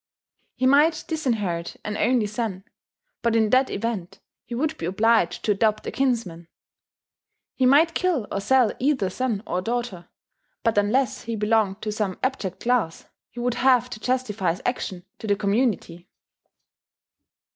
He might disinherit an only son; but in that event he would be obliged to adopt a kinsman. He might kill or sell either son or daughter; but unless he belonged to some abject class, he would have to justify his action to the community.